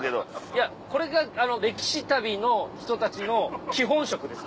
いやこれが歴史旅の人たちの基本食です